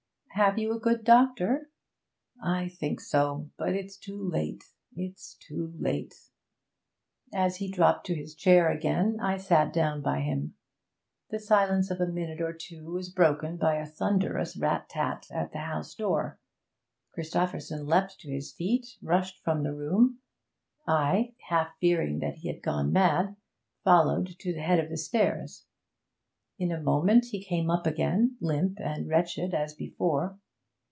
'Have you a good doctor?' 'I think so but it's too late it's too late.' As he dropped to his chair again I sat down by him. The silence of a minute or two was broken by a thunderous rat tat at the house door. Christopherson leapt to his feet, rushed from the room; I, half fearing that he had gone mad, followed to the head of the stairs. In a moment he came up again, limp and wretched as before.